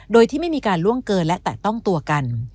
โดยที่ไม่มีการล่วงเกินและแตะต้องตัวกัน